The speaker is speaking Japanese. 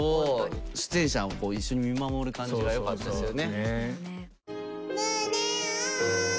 出演者も一緒に見守る感じがよかったですね。